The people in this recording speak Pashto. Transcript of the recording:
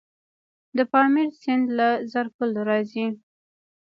د پامیر سیند له زرکول راځي